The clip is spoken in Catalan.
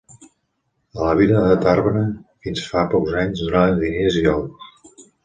A la vila de Tàrbena, fins fa pocs anys, donaven diners i ous.